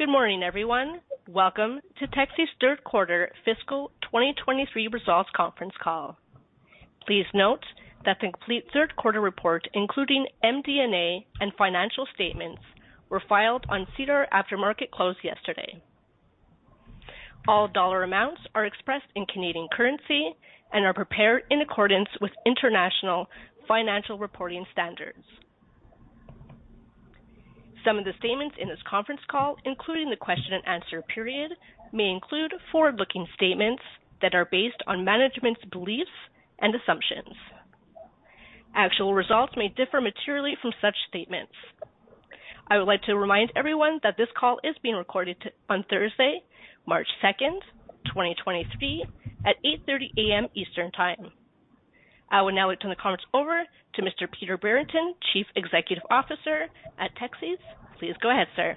Good morning, everyone. Welcome to Tecsys 3rd quarter fiscal 2023 results conference call. Please note that the complete 3rd quarter report, including MD&A and financial statements, were filed on SEDAR after market closed yesterday. All dollar amounts are expressed in Canadian currency and are prepared in accordance with International Financial Reporting Standards. Some of the statements in this conference call, including the question and answer period, may include forward-looking statements that are based on management's beliefs and assumptions. Actual results may differ materially from such statements. I would like to remind everyone that this call is being recorded on Thursday, March 2, 2023 at 8:30 A.M. Eastern Time. I will now turn the conference over to Mr. Peter Brereton, Chief Executive Officer at Tecsys. Please go ahead, sir.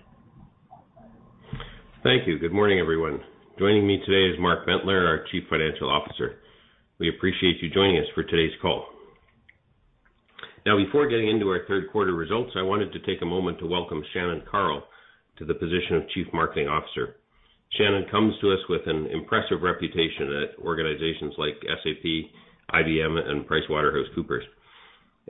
Thank you. Good morning, everyone. Joining me today is Mark Bentler, our Chief Financial Officer. We appreciate you joining us for today's call. Before getting into our third quarter results, I wanted to take a moment to welcome Shannon Karl to the position of Chief Marketing Officer. Shannon comes to us with an impressive reputation at organizations like SAP, IBM, and PricewaterhouseCoopers.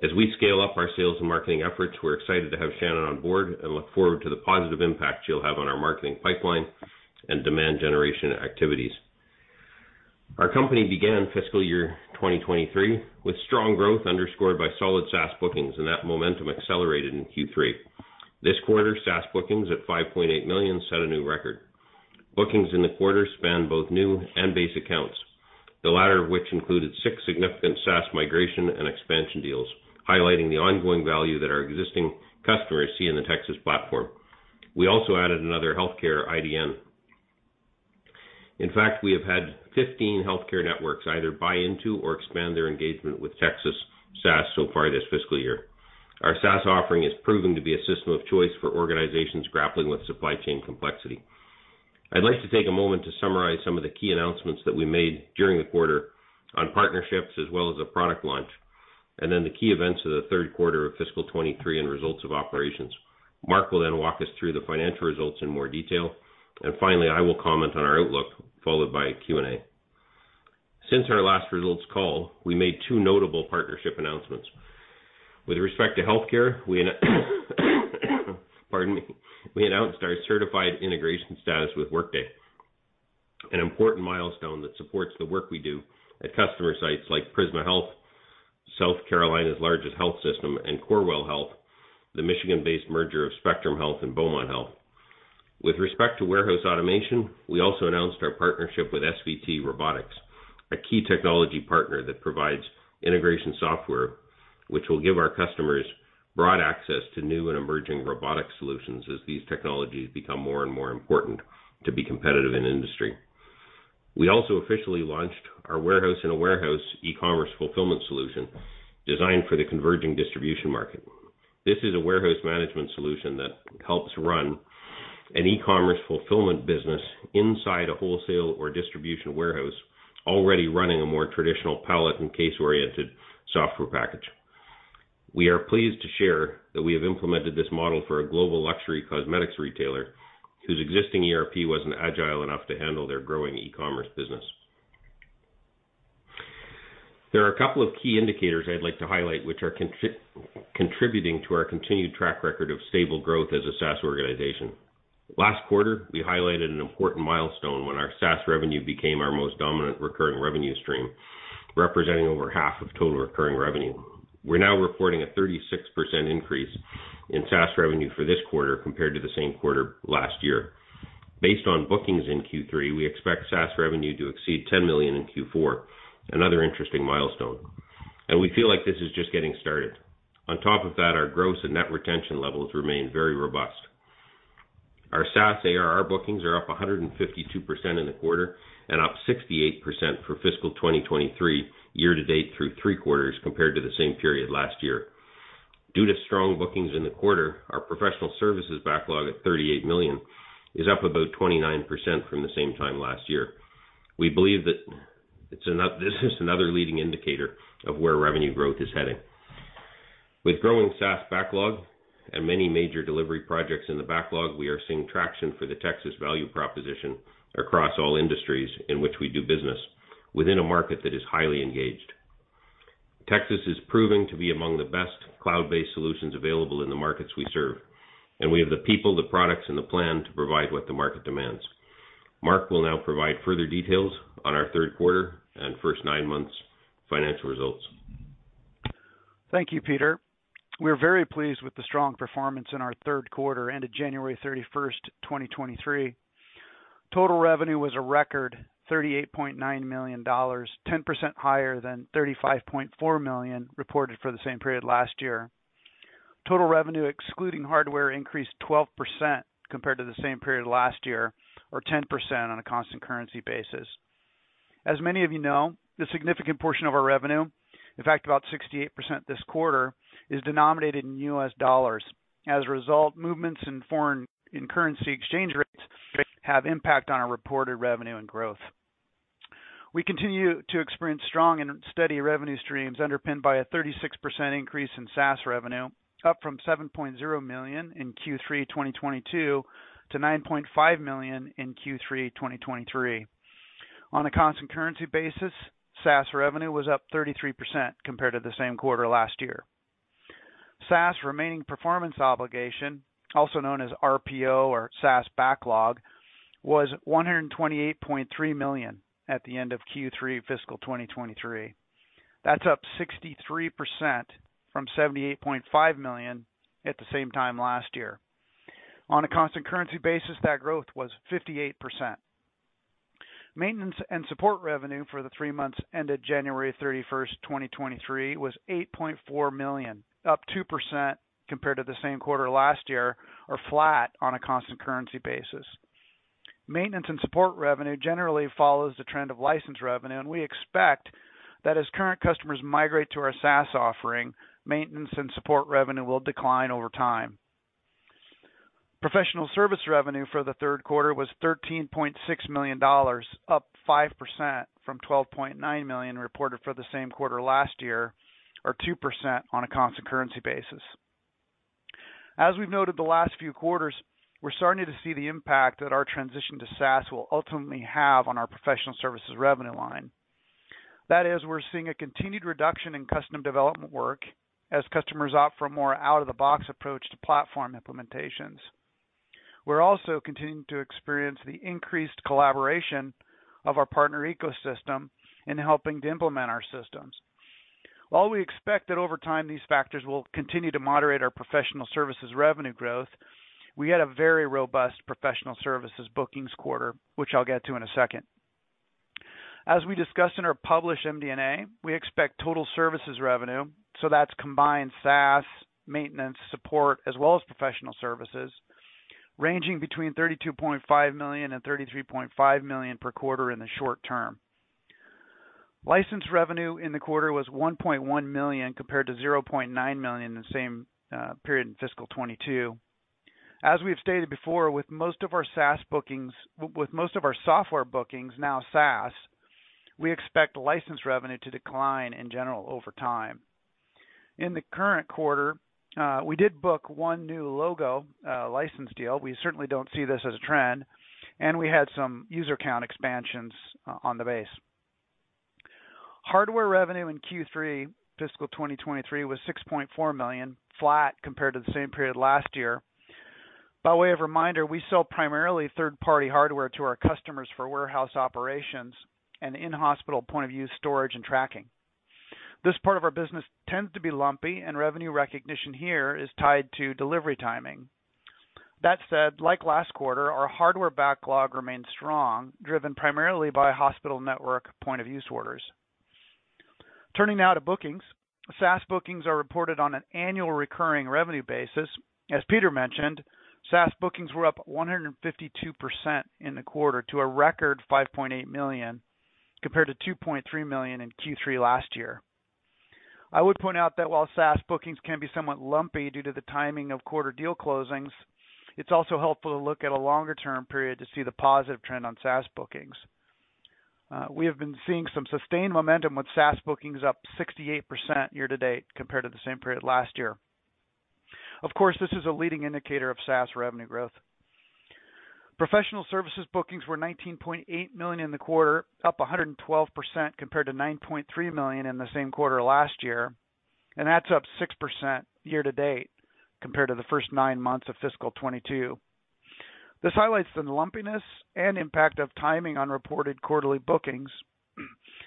As we scale up our sales and marketing efforts, we're excited to have Shannon on board and look forward to the positive impact she'll have on our marketing pipeline and demand generation activities. Our company began fiscal year 2023 with strong growth underscored by solid SaaS bookings, and that momentum accelerated in Q3. This quarter, SaaS bookings at 5.8 million set a new record. Bookings in the quarter spanned both new and base accounts, the latter of which included six significant SaaS migration and expansion deals, highlighting the ongoing value that our existing customers see in the Tecsys platform. We also added another healthcare IDN. In fact, we have had 15 healthcare networks either buy into or expand their engagement with Tecsys SaaS so far this fiscal year. Our SaaS offering is proven to be a system of choice for organizations grappling with supply chain complexity. I'd like to take a moment to summarize some of the key announcements that we made during the quarter on partnerships as well as a product launch, and then the key events of the third quarter of fiscal 2023 and results of operations. Mark will walk us through the financial results in more detail. Finally, I will comment on our outlook, followed by Q&A. Since our last results call, we made two notable partnership announcements. With respect to healthcare, Pardon me. We announced our certified integration status with Workday, an important milestone that supports the work we do at customer sites like Prisma Health, South Carolina's largest health system, and Corewell Health, the Michigan-based merger of Spectrum Health and Beaumont Health. With respect to warehouse automation, we also announced our partnership with SVT Robotics, a key technology partner that provides integration software, which will give our customers broad access to new and emerging robotic solutions as these technologies become more and more important to be competitive in industry. We also officially launched our Warehouse-in-a-Warehouse e-commerce fulfillment solution designed for the converging distribution market. This is a warehouse management solution that helps run an e-commerce fulfillment business inside a wholesale or distribution warehouse, already running a more traditional pallet and case-oriented software package. We are pleased to share that we have implemented this model for a global luxury cosmetics retailer whose existing ERP wasn't agile enough to handle their growing e-commerce business. There are a couple of key indicators I'd like to highlight which are contributing to our continued track record of stable growth as a SaaS organization. Last quarter, we highlighted an important milestone when our SaaS revenue became our most dominant recurring revenue stream, representing over half of total recurring revenue. We're now reporting a 36% increase in SaaS revenue for this quarter compared to the same quarter last year. Based on bookings in Q3, we expect SaaS revenue to exceed $10 million in Q4, another interesting milestone. We feel like this is just getting started. On top of that, our gross and net retention levels remain very robust. Our SaaS ARR bookings are up 152% in the quarter and up 68% for fiscal 2023 year-to-date through three quarters compared to the same period last year. Due to strong bookings in the quarter, our professional services backlog at $38 million is up about 29% from the same time last year. We believe that this is another leading indicator of where revenue growth is heading. With growing SaaS backlog and many major delivery projects in the backlog, we are seeing traction for the Tecsys value proposition across all industries in which we do business within a market that is highly engaged. Tecsys is proving to be among the best cloud-based solutions available in the markets we serve, we have the people, the products, and the plan to provide what the market demands. Mark will now provide further details on our third quarter and first nine months financial results. Thank you, Peter. We are very pleased with the strong performance in our third quarter ended January 31st, 2023. Total revenue was a record $38.9 million, 10% higher than $35.4 million reported for the same period last year. Total revenue, excluding hardware, increased 12% compared to the same period last year, or 10% on a constant currency basis. As many of you know, the significant portion of our revenue, in fact, about 68% this quarter, is denominated in U.S. dollars. As a result, movements in currency exchange rates have impact on our reported revenue and growth. We continue to experience strong and steady revenue streams underpinned by a 36% increase in SaaS revenue, up from $7.0 million in Q3 2022 to $9.5 million in Q3 2023. On a constant currency basis, SaaS revenue was up 33% compared to the same quarter last year. SaaS remaining performance obligation, also known as RPO or SaaS backlog, was $128.3 million at the end of Q3 fiscal 2023. That's up 63% from $78.5 million at the same time last year. On a constant currency basis, that growth was 58%. Maintenance and support revenue for the three months ended January 31, 2023 was $8.4 million, up 2% compared to the same quarter last year, or flat on a constant currency basis. Maintenance and support revenue generally follows the trend of license revenue, and we expect that as current customers migrate to our SaaS offering, maintenance and support revenue will decline over time. Professional service revenue for the third quarter was $13.6 million, up 5% from $12.9 million reported for the same quarter last year, or 2% on a constant currency basis. As we've noted the last few quarters, we're starting to see the impact that our transition to SaaS will ultimately have on our professional services revenue line. That is, we're seeing a continued reduction in custom development work as customers opt for a more out-of-the-box approach to platform implementations. We're also continuing to experience the increased collaboration of our partner ecosystem in helping to implement our systems. While we expect that over time, these factors will continue to moderate our professional services revenue growth, we had a very robust professional services bookings quarter, which I'll get to in a second. As we discussed in our published MD&A, we expect total services revenue, so that's combined SaaS, maintenance, support, as well as professional services, ranging between $32.5 million and $33.5 million per quarter in the short term. License revenue in the quarter was $1.1 million compared to $0.9 million in the same period in fiscal 2022. As we have stated before, with most of our software bookings now SaaS, we expect license revenue to decline in general over time. In the current quarter, we did book one new logo license deal. We certainly don't see this as a trend. We had some user count expansions on the base. Hardware revenue in Q3 fiscal 2023 was $6.4 million, flat compared to the same period last year. By way of reminder, we sell primarily third-party hardware to our customers for warehouse operations and in-hospital point of use storage and tracking. This part of our business tends to be lumpy, and revenue recognition here is tied to delivery timing. That said, like last quarter, our hardware backlog remains strong, driven primarily by hospital network point of use orders. Turning now to bookings. SaaS bookings are reported on an annual recurring revenue basis. As Peter mentioned, SaaS bookings were up 152% in the quarter to a record $5.8 million, compared to $2.3 million in Q3 last year. I would point out that while SaaS bookings can be somewhat lumpy due to the timing of quarter deal closings, it's also helpful to look at a longer-term period to see the positive trend on SaaS bookings. We have been seeing some sustained momentum with SaaS bookings up 68% year-to-date compared to the same period last year. This is a leading indicator of SaaS revenue growth. Professional services bookings were $19.8 million in the quarter, up 112% compared to $9.3 million in the same quarter last year. That's up 6% year-to-date compared to the first nine months of fiscal 2022. This highlights the lumpiness and impact of timing on reported quarterly bookings.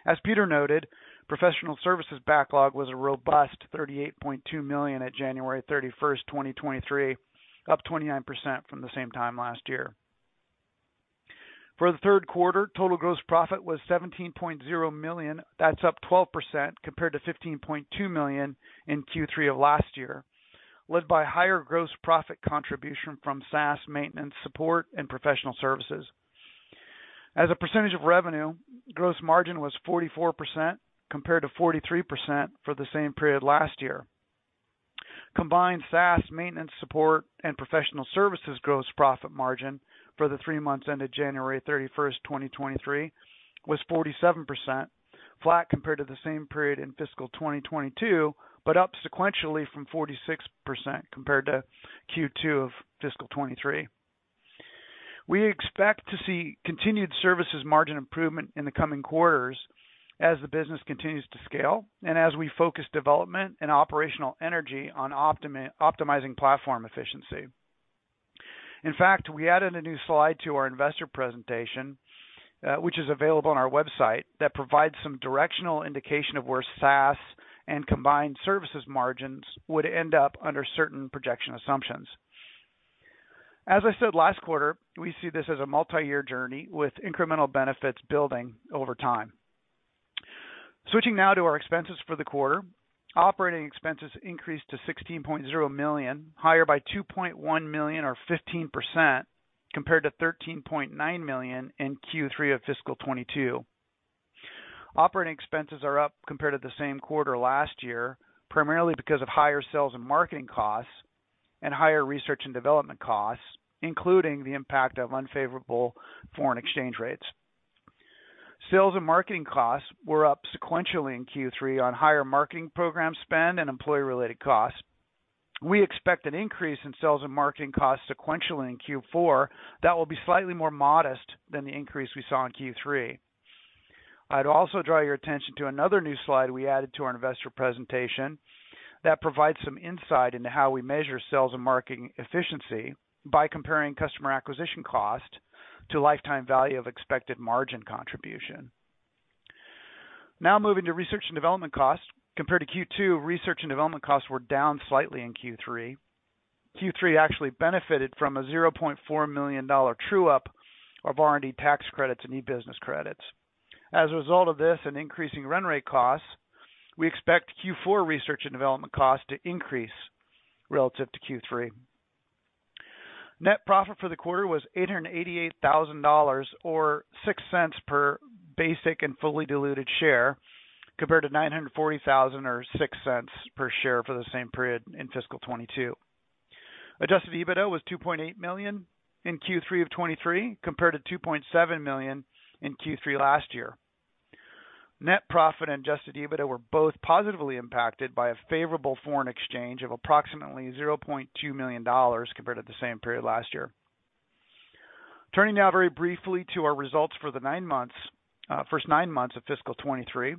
As Peter noted, professional services backlog was a robust 38.2 million at January 31, 2023, up 29% from the same time last year. For the third quarter, total gross profit was 17.0 million. That's up 12% compared to 15.2 million in Q3 of last year, led by higher gross profit contribution from SaaS maintenance, support, and professional services. As a percentage of revenue, gross margin was 44% compared to 43% for the same period last year. Combined SaaS, maintenance, support, and professional services gross profit margin for the three months ended January 31, 2023 was 47%, flat compared to the same period in fiscal 2022, but up sequentially from 46% compared to Q2 of fiscal 2023. We expect to see continued services margin improvement in the coming quarters as the business continues to scale and as we focus development and operational energy on optimizing platform efficiency. In fact, we added a new slide to our investor presentation, which is available on our website, that provides some directional indication of where SaaS and combined services margins would end up under certain projection assumptions. As I said last quarter, we see this as a multi-year journey with incremental benefits building over time. Switching now to our expenses for the quarter. Operating expenses increased to $16.0 million, higher by $2.1 million or 15% compared to $13.9 million in Q3 of fiscal 2022. Operating expenses are up compared to the same quarter last year, primarily because of higher sales and marketing costs. Higher research and development costs, including the impact of unfavorable foreign exchange rates. Sales and marketing costs were up sequentially in Q3 on higher marketing program spend and employee-related costs. We expect an increase in sales and marketing costs sequentially in Q4 that will be slightly more modest than the increase we saw in Q3. I'd also draw your attention to another new slide we added to our investor presentation that provides some insight into how we measure sales and marketing efficiency by comparing customer acquisition cost to lifetime value of expected margin contribution. Now moving to research and development costs. Compared to Q2, research and development costs were down slightly in Q3. Q3 actually benefited from a $0.4 million true-up of R&D tax credits and e-business credits. As a result of this and increasing run rate costs, we expect Q4 research and development costs to increase relative to Q3. Net profit for the quarter was 888,000 dollars or 0.06 per basic and fully diluted share, compared to 940,000 or 0.06 per share for the same period in fiscal 2022. Adjusted EBITDA was 2.8 million in Q3 of 2023, compared to 2.7 million in Q3 last year. Net profit and adjusted EBITDA were both positively impacted by a favorable foreign exchange of approximately 0.2 million dollars compared to the same period last year. Turning now very briefly to our results for the nine months, first nine months of fiscal 2023.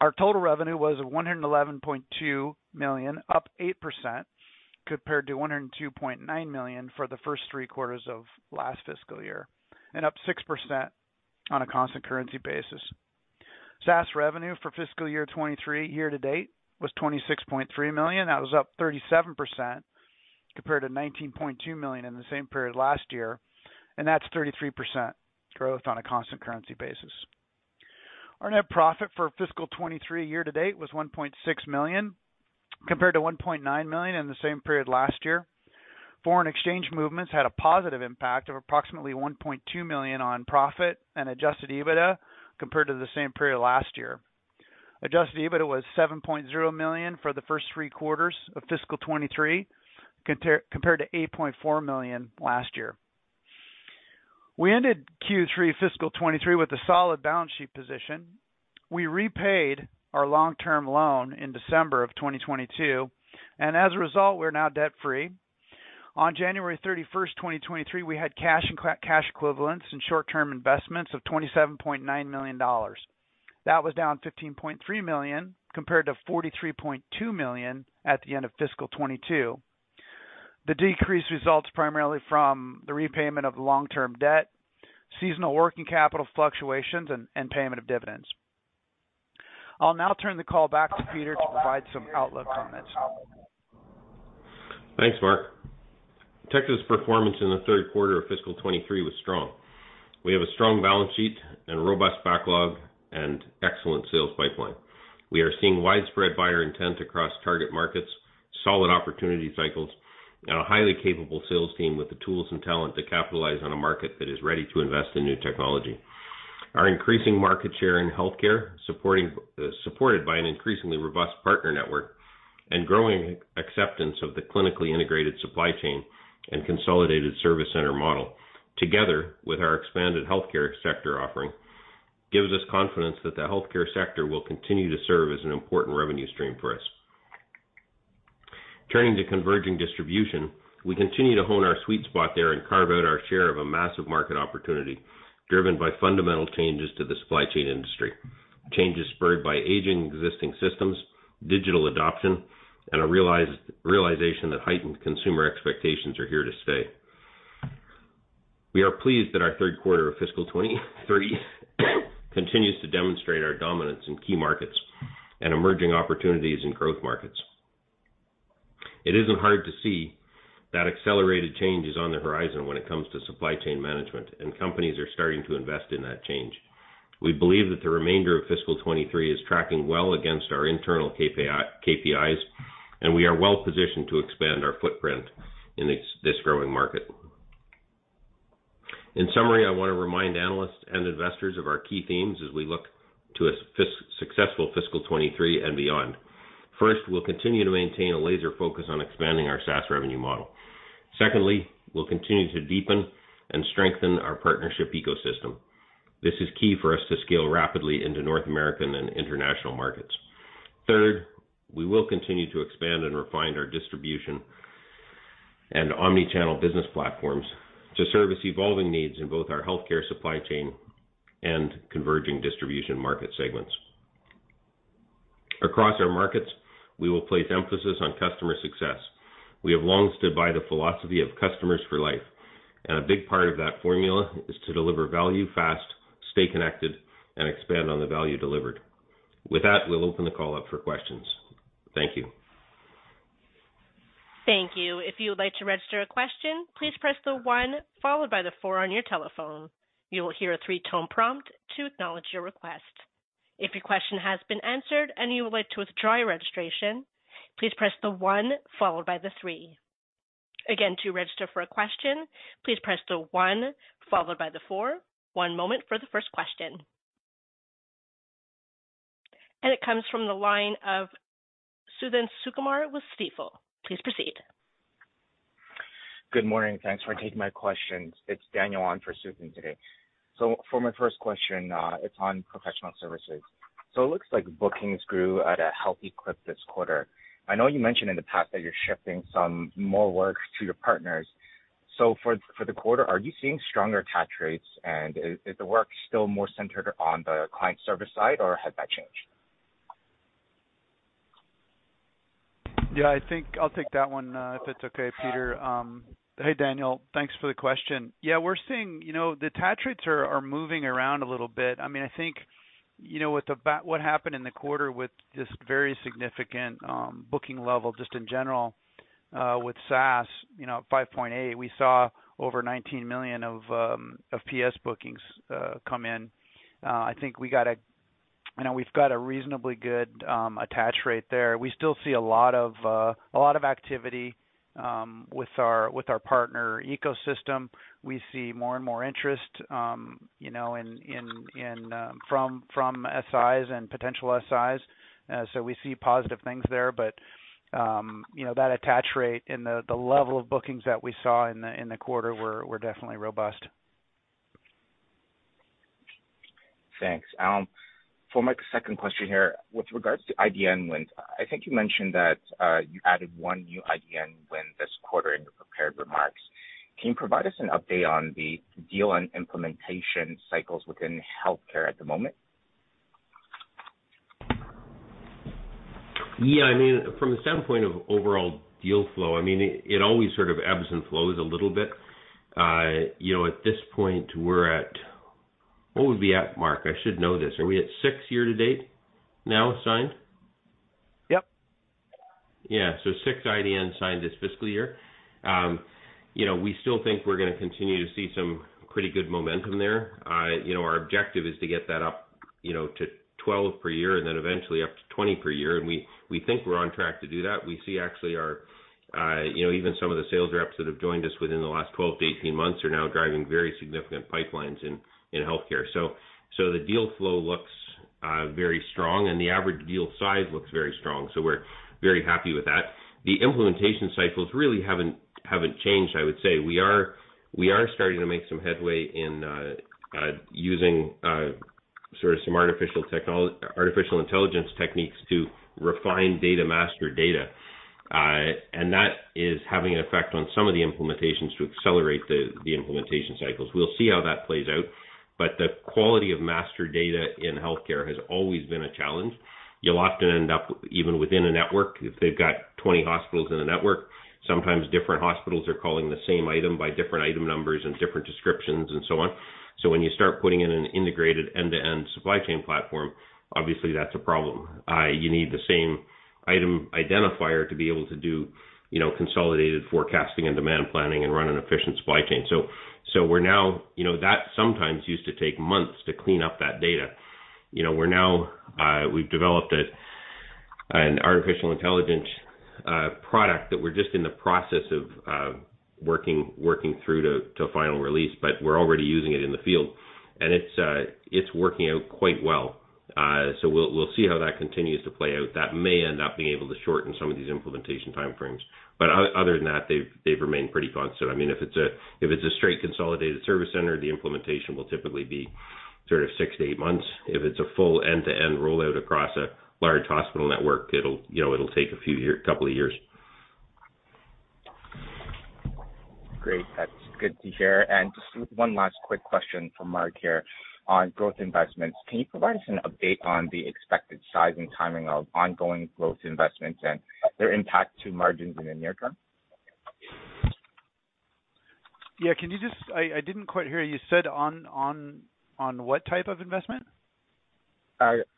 Our total revenue was $111.2 million, up 8%, compared to $102.9 million for the first three quarters of last fiscal year, and up 6% on a constant currency basis. SaaS revenue for fiscal year 2023 year to date was $26.3 million. That was up 37% compared to $19.2 million in the same period last year, and that's 33% growth on a constant currency basis. Our net profit for fiscal 2023 year to date was $1.6 million, compared to $1.9 million in the same period last year. Foreign exchange movements had a positive impact of approximately $1.2 million on profit and adjusted EBITDA compared to the same period last year. Adjusted EBITDA was $7.0 million for the first three quarters of fiscal 2023, compared to $8.4 million last year. We ended Q3 fiscal 2023 with a solid balance sheet position. We repaid our long-term loan in December 2022. As a result, we're now debt-free. On January 31, 2023, we had cash and cash equivalents and short-term investments of $27.9 million. That was down $15.3 million compared to $43.2 million at the end of fiscal 2022. The decrease results primarily from the repayment of long-term debt, seasonal working capital fluctuations, and payment of dividends. I'll now turn the call back to Peter to provide some outlook comments. Thanks, Mark. Tecsys' performance in the third quarter of fiscal 2023 was strong. We have a strong balance sheet and a robust backlog and excellent sales pipeline. We are seeing widespread buyer intent across target markets, solid opportunity cycles, and a highly capable sales team with the tools and talent to capitalize on a market that is ready to invest in new technology. Our increasing market share in healthcare, supported by an increasingly robust partner network and growing acceptance of the clinically integrated supply chain and consolidated service center model, together with our expanded healthcare sector offering, gives us confidence that the healthcare sector will continue to serve as an important revenue stream for us. Turning to converging distribution, we continue to hone our sweet spot there and carve out our share of a massive market opportunity driven by fundamental changes to the supply chain industry, changes spurred by aging existing systems, digital adoption, and a realization that heightened consumer expectations are here to stay. We are pleased that our third quarter of fiscal 2023 continues to demonstrate our dominance in key markets and emerging opportunities in growth markets. It isn't hard to see that accelerated change is on the horizon when it comes to supply chain management, and companies are starting to invest in that change. We believe that the remainder of fiscal 2023 is tracking well against our internal KPIs, and we are well positioned to expand our footprint in this growing market. In summary, I want to remind analysts and investors of our key themes as we look to a successful fiscal 2023 and beyond. First, we'll continue to maintain a laser focus on expanding our SaaS revenue model. Secondly, we'll continue to deepen and strengthen our partnership ecosystem. This is key for us to scale rapidly into North American and international markets. Third, we will continue to expand and refine our distribution and omni-channel business platforms to service evolving needs in both our healthcare supply chain and Converging Distribution Market segments. Across our markets, we will place emphasis on customer success. We have long stood by the philosophy of customers for life. A big part of that formula is to deliver value fast, stay connected, and expand on the value delivered. With that, we'll open the call up for questions. Thank you. Thank you. If you would like to register a question, please press the 1 followed by the 4 on your telephone. You will hear a three-tone prompt to acknowledge your request. If your question has been answered and you would like to withdraw your registration, please press the 1 followed by the 3. Again, to register for a question, please press the 1 followed by the 4. One moment for the first question. It comes from the line of Suthan Sukumar with Stifel. Please proceed. Good morning. Thanks for taking my questions. It's Daniel on for Suthan today. For my first question, it's on professional services. It looks like bookings grew at a healthy clip this quarter. I know you mentioned in the past that you're shifting some more work to your partners. For the quarter, are you seeing stronger attach rates? Is the work still more centered on the client service side, or has that changed? Yeah, I think I'll take that one, if it's okay, Peter. Hey, Daniel. Thanks for the question. Yeah, we're seeing, you know, the attach rates are moving around a little bit. I mean, I think, you know, with what happened in the quarter with this very significant booking level just in general, with SaaS, you know, at $5.8, we saw over $19 million of PS bookings come in. I think we got a, you know, we've got a reasonably good attach rate there. We still see a lot of activity with our partner ecosystem. We see more and more interest, you know, from SIs and potential SIs. We see positive things there, but, you know, that attach rate and the level of bookings that we saw in the quarter were definitely robust. Thanks. For my second question here. With regards to IDN wins, I think you mentioned that you added 1 new IDN win this quarter in your prepared remarks. Can you provide us an update on the deal and implementation cycles within healthcare at the moment? Yeah, I mean, from the standpoint of overall deal flow, I mean, it always sort of ebbs and flows a little bit. You know, at this point, we're at, what would we be at, Mark? I should know this. Are we at six year to date now signed? Yep. Yeah. Six IDN signed this fiscal year. you know, we still think we're gonna continue to see some pretty good momentum there. you know, our objective is to get that up, you know, to 12 per year and then eventually up to 20 per year. We think we're on track to do that. We see actually our, you know, even some of the sales reps that have joined us within the last 12 months-18 months are now driving very significant pipelines in healthcare. The deal flow looks very strong, and the average deal size looks very strong. We're very happy with that. The implementation cycles really haven't changed, I would say. We are starting to make some headway in using sort of some artificial intelligence techniques to refine data master data. That is having an effect on some of the implementations to accelerate the implementation cycles. We'll see how that plays out, the quality of master data in healthcare has always been a challenge. You'll often end up, even within a network, if they've got 20 hospitals in a network, sometimes different hospitals are calling the same item by different item numbers and different descriptions and so on. When you start putting in an integrated end-to-end supply chain platform, obviously that's a problem. You need the same item identifier to be able to do, you know, consolidated forecasting and demand planning and run an efficient supply chain. We're now, you know, that sometimes used to take months to clean up that data. You know, we've developed an artificial intelligence product that we're just in the process of working through to final release, but we're already using it in the field, and it's working out quite well. We'll see how that continues to play out. That may end up being able to shorten some of these implementation time frames. Other than that, they've remained pretty constant. I mean, if it's a straight consolidated service center, the implementation will typically be 6 months-8 months. If it's a full end-to-end rollout across a large hospital network, it'll, you know, it'll take two years. Great. That's good to hear. Just one last quick question from Mark here on growth investments. Can you provide us an update on the expected size and timing of ongoing growth investments and their impact to margins in the near term? Yeah. Can you just... I didn't quite hear you. You said on what type of investment?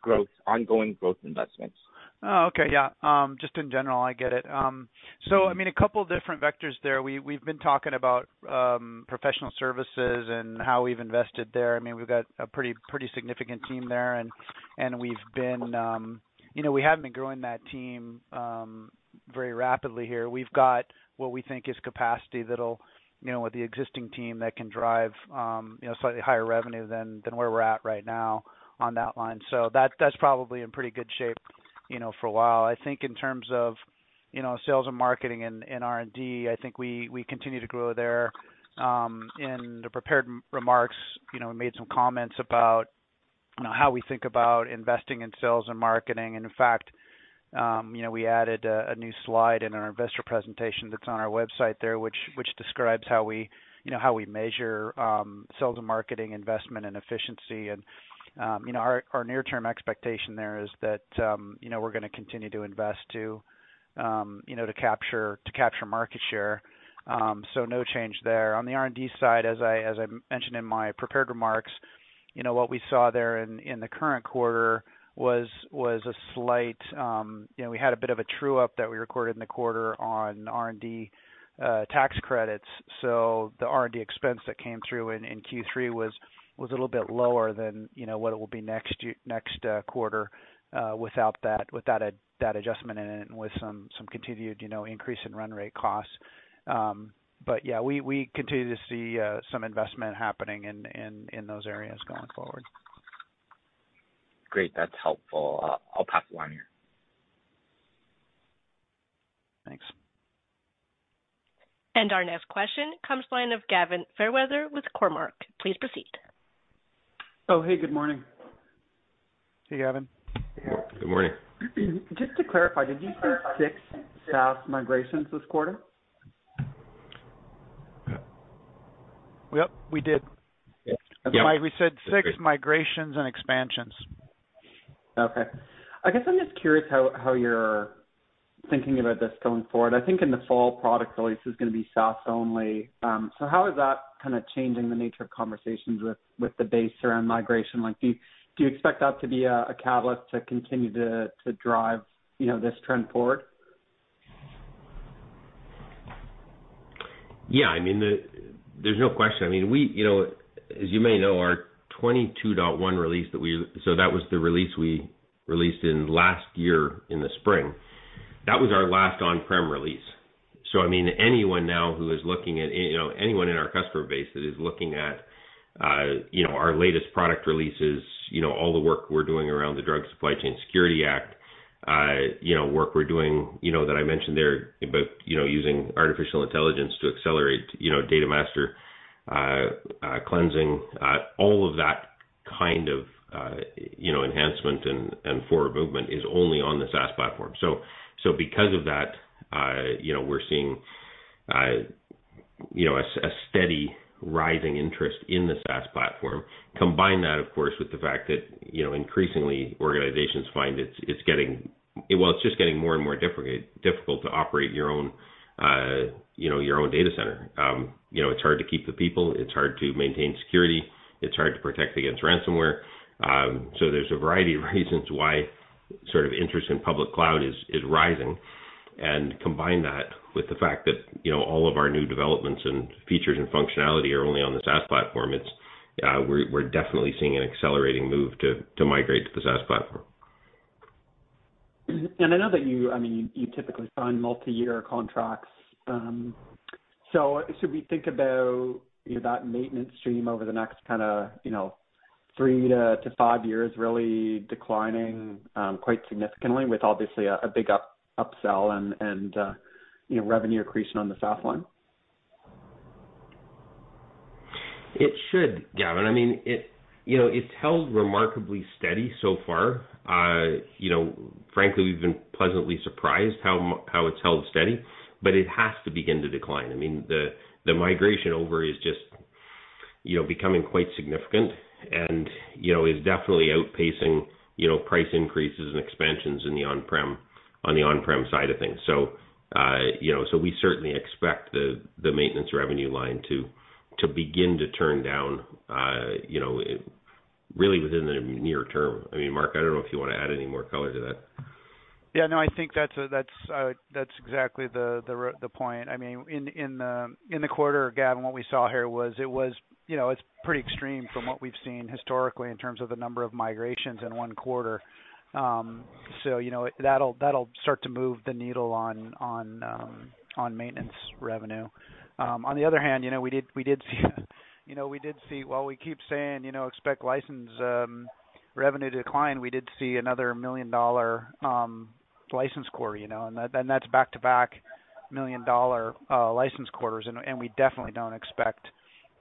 Growth. Ongoing growth investments. Oh, okay. Yeah. Just in general, I get it. I mean, a couple different vectors there. We've been talking about, professional services and how we've invested there. I mean, we've got a pretty significant team there, and we've been, you know, we haven't been growing that team, very rapidly here. We've got what we think is capacity that'll, you know, with the existing team that can drive, you know, slightly higher revenue than where we're at right now on that line. That's probably in pretty good shape, you know, for a while. I think in terms of, you know, sales and marketing and R&D, I think we continue to grow there. In the prepared remarks, you know, we made some comments about, you know, how we think about investing in sales and marketing. In fact, you know, we added a new slide in our investor presentation that's on our website there, which describes how we, you know, how we measure sales and marketing investment and efficiency. You know, our near-term expectation there is that, you know, we're gonna continue to invest to capture market share. No change there. On the R&D side, as I mentioned in my prepared remarks, you know, what we saw there in the current quarter was a slight, you know, we had a bit of a true-up that we recorded in the quarter on R&D tax credits. The R&D expense that came through in Q3 was a little bit lower than, you know, what it will be next quarter without that, without that adjustment in it and with some continued, you know, increase in run rate costs. Yeah, we continue to see some investment happening in those areas going forward. Great. That's helpful. I'll pass the line here. Our next question comes line of Gavin Fairweather with Cormark. Please proceed. Oh, hey, good morning. Hey, Gavin. Good morning. Just to clarify, did you say 6 SaaS migrations this quarter? Yep, we did. Yep. We said six migrations and expansions. Okay. I guess I'm just curious how you're thinking about this going forward. I think in the fall, product release is gonna be SaaS only. How is that kind of changing the nature of conversations with the base around migration? Like, do you expect that to be a catalyst to continue to drive, you know, this trend forward? Yeah, I mean, there's no question. I mean, you know, as you may know, our 22.1 release that was the release we released last year in the spring. That was our last on-prem release. I mean, anyone now who is looking at, you know, anyone in our customer base that is looking at, you know, our latest product releases, you know, all the work we're doing around the Drug Supply Chain Security Act, you know, work we're doing, you know, that I mentioned there about, you know, using artificial intelligence to accelerate, you know, data master cleansing, all of that kind of, you know, enhancement and forward movement is only on the SaaS platform. Because of that, you know, we're seeing a steady rising interest in the SaaS platform. Combine that, of course, with the fact that, you know, increasingly organizations find it's getting, well, it's just getting more and more difficult to operate your own, you know, your own data center. You know, it's hard to keep the people, it's hard to maintain security, it's hard to protect against ransomware. There's a variety of reasons why sort of interest in public cloud is rising. Combine that with the fact that, you know, all of our new developments and features and functionality are only on the SaaS platform. It's, we're definitely seeing an accelerating move to migrate to the SaaS platform. I know that you, I mean, you typically sign multi-year contracts. Should we think about that maintenance stream over the next kinda, you know, three years-five years really declining, quite significantly with obviously a big upsell and, you know, revenue accretion on the SaaS line? It should, Gavin. I mean, it, you know, it's held remarkably steady so far. You know, frankly, we've been pleasantly surprised how it's held steady, but it has to begin to decline. I mean, the migration over is just, you know, becoming quite significant and, you know, is definitely outpacing, you know, price increases and expansions in the on-prem side of things. You know, so we certainly expect the maintenance revenue line to begin to turn down, you know, really within the near term. I mean, Mark, I don't know if you wanna add any more color to that. Yeah, no, I think that's exactly the point. I mean, in the quarter, Gavin, what we saw here was, it was, you know, it's pretty extreme from what we've seen historically in terms of the number of migrations in one quarter. You know, that'll start to move the needle on maintenance revenue. On the other hand, you know, we did see, you know, we did see. While we keep saying, you know, expect license revenue to decline, we did see another $1 million license quarter, you know. That's back-to-back $1 million license quarters, and we definitely don't expect,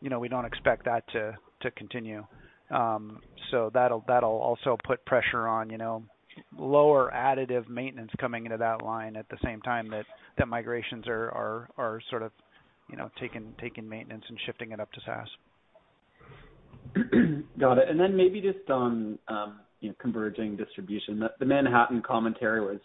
you know, we don't expect that to continue. That'll also put pressure on, you know, lower additive maintenance coming into that line at the same time that migrations are sort of, you know, taking maintenance and shifting it up to SaaS. Got it. Maybe just on, you know, converging distribution. The Manhattan commentary was,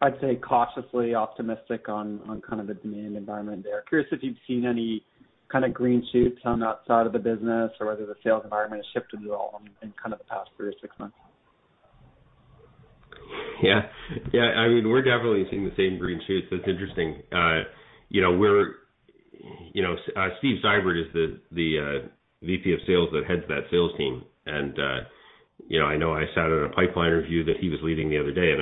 I'd say, cautiously optimistic on, kind of the demand environment there. Curious if you've seen any kind of green shoots on that side of the business or whether the sales environment has shifted at all in, kind of the past three or six months. Yeah. Yeah. I mean, we're definitely seeing the same green shoots. It's interesting. You know, we're, you know, Steve Sybert is the VP of sales that heads that sales team. You know, I know I sat in a pipeline review that he was leading the other day,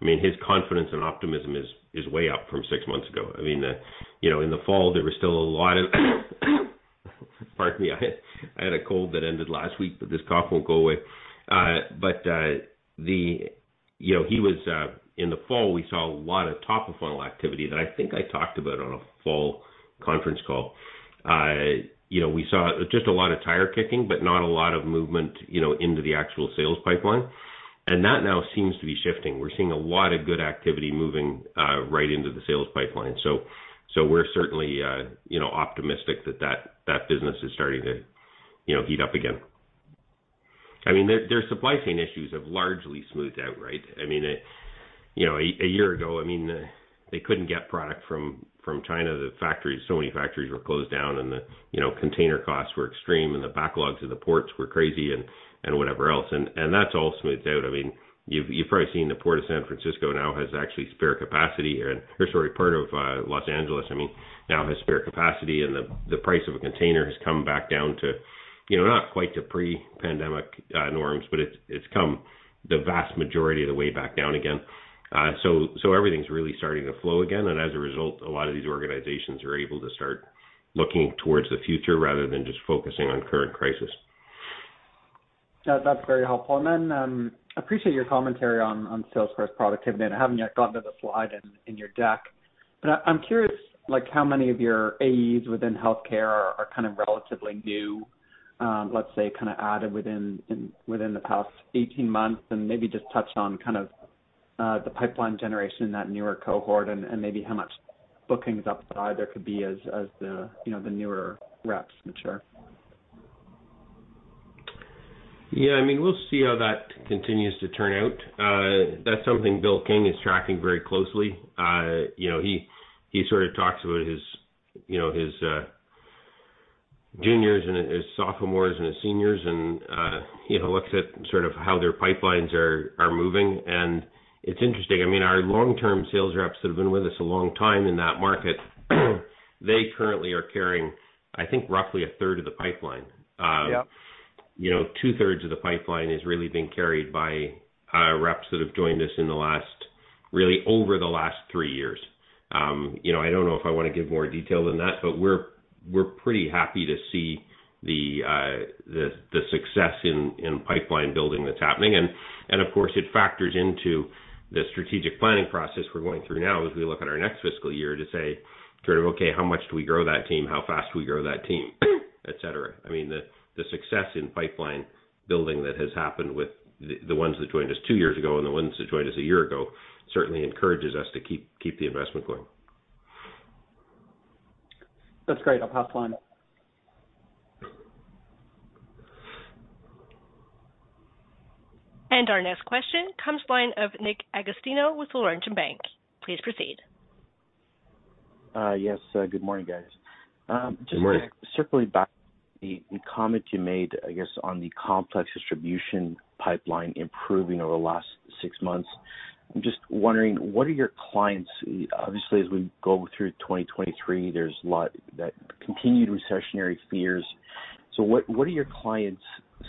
I mean, his confidence and optimism is way up from 6 months ago. I mean, you know, in the fall, there was still a lot of Pardon me. I had a cold that ended last week, but this cough won't go away. But, you know, he was In the fall, we saw a lot of top-of-funnel activity that I think I talked about on a fall conference call. You know, we saw just a lot of tire kicking, but not a lot of movement, you know, into the actual sales pipeline, and that now seems to be shifting. We're seeing a lot of good activity moving right into the sales pipeline. We're certainly, you know, optimistic that business is starting to, you know, heat up again. I mean, their supply chain issues have largely smoothed out, right? I mean, you know, a year ago, I mean, they couldn't get product from China. The factories, so many factories were closed down and the, you know, container costs were extreme, and the backlogs of the ports were crazy and whatever else. That's all smoothed out. I mean, you've probably seen the Port of Los Angeles now has actually spare capacity or, sorry, Port of Los Angeles, I mean, now has spare capacity. The price of a container has come back down to, you know, not quite to pre-pandemic norms, but it's come the vast majority of the way back down again. Everything's really starting to flow again, and as a result, a lot of these organizations are able to start looking towards the future rather than just focusing on current crisis. That's very helpful. Appreciate your commentary on Salesforce productivity. I haven't yet gotten to the slide in your deck. I'm curious, like how many of your AEs within healthcare are kind of relatively new, let's say kinda added within the past 18 months? Maybe just touch on kind of the pipeline generation in that newer cohort and maybe how much bookings upside there could be as the, you know, the newer reps mature. Yeah, I mean, we'll see how that continues to turn out. That's something Bill King is tracking very closely. You know, he sort of talks about his, you know, his juniors and his sophomores and his seniors and, you know, looks at sort of how their pipelines are moving. It's interesting. I mean, our long-term sales reps that have been with us a long time in that market, they currently are carrying, I think, roughly a third of the pipeline. Yeah. You know, two-thirds of the pipeline is really being carried by our reps that have joined us really over the last three years. You know, I don't know if I wanna give more detail than that, but we're pretty happy to see the success in pipeline building that's happening. Of course, it factors into the strategic planning process we're going through now as we look at our next fiscal year to say sort of, "Okay, how much do we grow that team? How fast do we grow that team," et cetera. I mean, the success in pipeline building that has happened with the ones that joined us two years ago and the ones that joined us one year ago certainly encourages us to keep the investment going. That's great. I'll pass the line. Our next question comes line of Nick Agostino with Laurentian Bank. Please proceed. Yes, good morning, guys. Good morning. Just circling back the comment you made, I guess, on the complex distribution pipeline improving over the last 6 months. I'm just wondering, what are your clients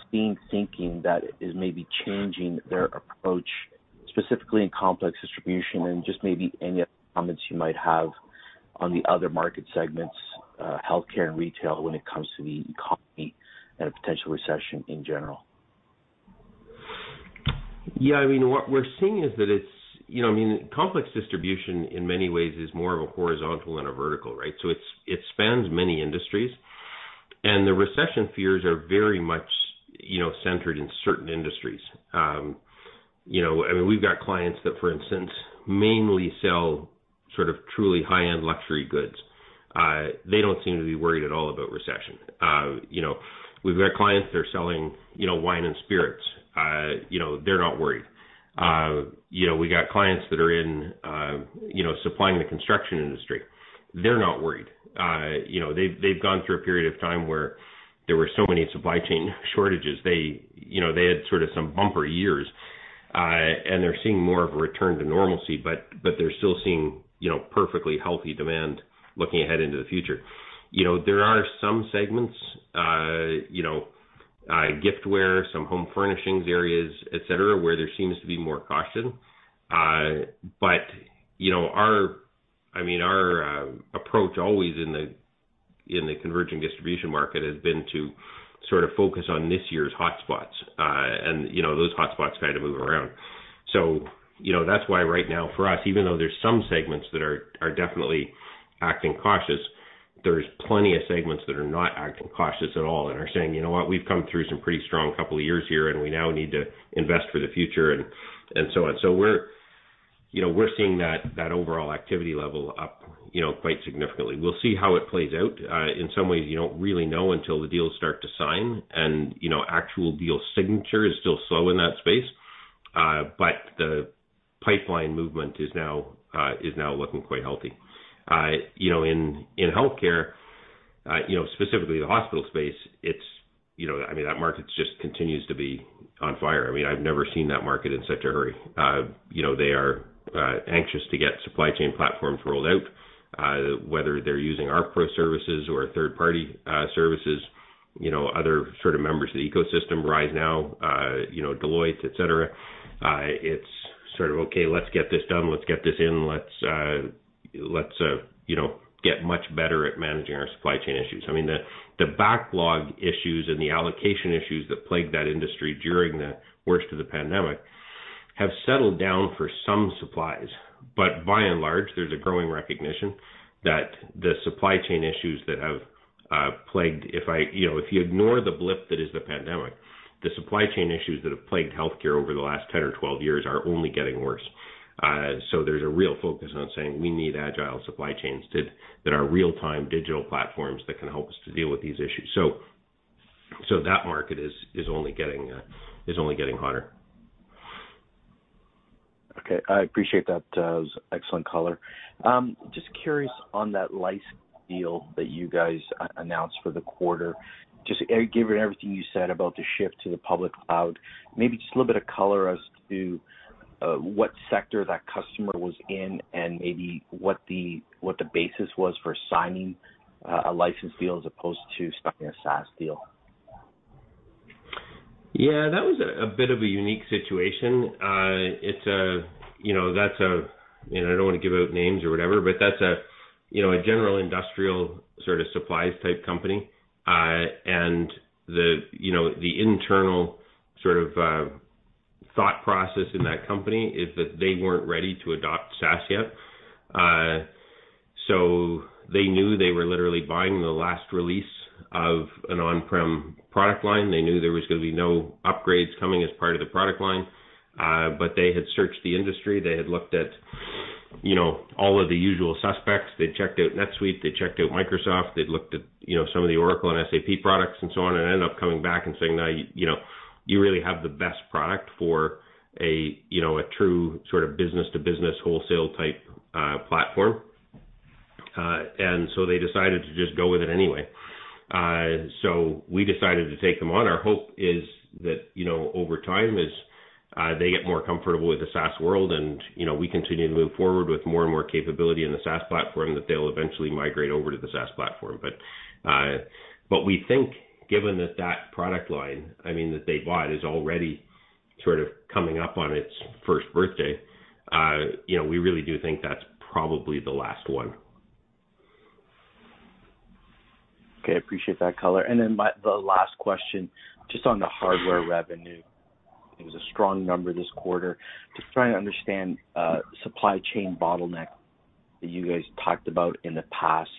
seeing, thinking that is maybe changing their approach, specifically in complex distribution? Just maybe any other comments you might have on the other market segments, healthcare and retail when it comes to the economy and a potential recession in general. I mean, what we're seeing is that it's. You know, I mean, complex distribution, in many ways, is more of a horizontal than a vertical, right? It spans many industries. The recession fears are very much, you know, centered in certain industries. You know, I mean, we've got clients that, for instance, mainly sell sort of truly high-end luxury goods. They don't seem to be worried at all about recession. You know, we've got clients that are selling, you know, wine and spirits. You know, they're not worried. You know, we got clients that are in, you know, supplying the construction industry. They're not worried. You know, they've gone through a period of time where there were so many supply chain shortages. They, you know, they had sort of some bumper years, they're seeing more of a return to normalcy, but they're still seeing, you know, perfectly healthy demand looking ahead into the future. You know, there are some segments, you know, giftware, some home furnishings areas, et cetera, where there seems to be more caution. You know, I mean, our approach always in the, in the convergent distribution market has been to sort of focus on this year's hotspots. You know, those hotspots kind of move around. You know, that's why right now, for us, even though there's some segments that are definitely acting cautious, there's plenty of segments that are not acting cautious at all and are saying, "You know what? We've come through some pretty strong couple of years here, and we now need to invest for the future," and so on. We're, you know, we're seeing that overall activity level up, you know, quite significantly. We'll see how it plays out. In some ways, you don't really know until the deals start to sign. You know, actual deal signature is still slow in that space, but the pipeline movement is now looking quite healthy. In healthcare, you know, specifically the hospital space, it's, you know... I mean, that market just continues to be on fire. I mean, I've never seen that market in such a hurry. You know, they are anxious to get supply chain platforms rolled out, whether they're using our pro services or third-party services, you know, other sort of members of the ecosystem, RiseNow, you know, Deloitte, et cetera. It's sort of, "Okay, let's get this done. Let's get this in. Let's, let's, you know, get much better at managing our supply chain issues." I mean, the backlog issues and the allocation issues that plagued that industry during the worst of the pandemic have settled down for some supplies. By and large, there's a growing recognition that the supply chain issues that have plagued... You know, if you ignore the blip that is the pandemic, the supply chain issues that have plagued healthcare over the last 10 or 12 years are only getting worse. So there's a real focus on saying, "We need agile supply chains that are real-time digital platforms that can help us to deal with these issues." so that market is only getting hotter. Okay. I appreciate that. That was excellent color. Just curious on that license deal that you guys announced for the quarter. Just given everything you said about the shift to the public cloud, maybe just a little bit of color as to what sector that customer was in and maybe what the, what the basis was for signing a license deal as opposed to signing a SaaS deal. A bit of a unique situation. It's a, you know. You know, I don't wanna give out names or whatever, but that's a, you know, a general industrial sort of supplies type company. The, you know, the internal sort of, thought process in that company is that they weren't ready to adopt SaaS yet. They knew they were literally buying the last release of an on-prem product line. They knew there was gonna be no upgrades coming as part of the product line. They had searched the industry. They had looked at, you know, all of the usual suspects. They checked out NetSuite. They checked out Microsoft. They'd looked at, you know, some of the Oracle and SAP products and so on, ended up coming back and saying, "You know, you really have the best product for a, you know, a true sort of business to business wholesale type, platform." They decided to just go with it anyway. We decided to take them on. Our hope is that, you know, over time, as they get more comfortable with the SaaS world and, you know, we continue to move forward with more and more capability in the SaaS platform, that they'll eventually migrate over to the SaaS platform. We think given that that product line, I mean, that they bought, is already sort of coming up on its first birthday, you know, we really do think that's probably the last one. Okay. Appreciate that color. The last question, just on the hardware revenue. It was a strong number this quarter. Just trying to understand, supply chain bottleneck that you guys talked about in the past.